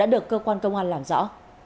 của các con công an làm rõ